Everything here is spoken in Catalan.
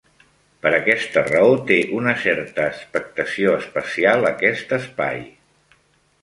Per aquesta raó, té una certa expectació espacial, aquest espai.